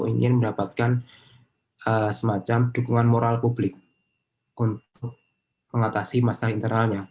ingin mendapatkan semacam dukungan moral publik untuk mengatasi masalah internalnya